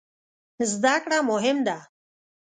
زده کړه مهم ده